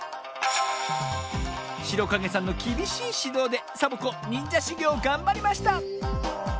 しろかげさんのきびしいしどうでサボ子にんじゃしゅぎょうをがんばりました